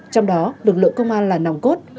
trong đó lực lượng công an là nòng cốt